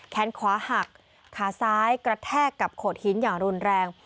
แขนขวาหักขาซ้ายกระแทกกับโขดหินอย่างรุนแรง